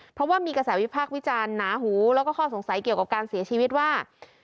เพราะว่ามีกระแสวิพากษ์วิจารณ์หนาหูแล้วก็ข้อสงสัยเกี่ยวกับการเสียชีวิตว่า